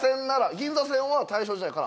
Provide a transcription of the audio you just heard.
銀座線は大正時代から？